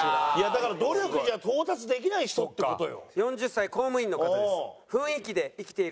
だから努力じゃ到達できない人って事よ。